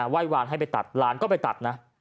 ไหว้วานให้ไปตัดหลานก็ไปตัดนะ